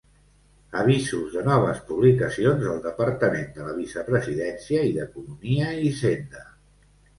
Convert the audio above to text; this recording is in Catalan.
Avisos de noves publicacions del Departament de la Vicepresidència i d'Economia i Hisenda.